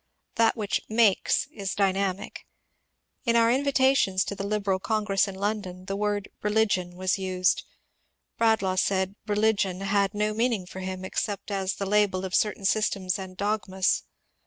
That which ^^ makes " is dynamic. In our invitations to the Liberal Congress in London the word " religion " was used. Bradlaugh said " religion " had no meaning for him except as the label of certain systems and dogmas.